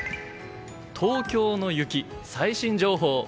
東京の雪、最新情報。